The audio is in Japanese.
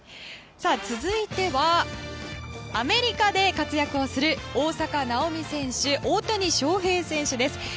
続いては、アメリカで活躍をする大坂なおみ選手大谷翔平選手です。